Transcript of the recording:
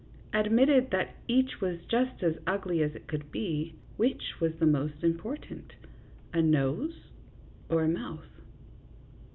Admitted that each was just as ugly as it could be, which was the more important, a nose or a mouth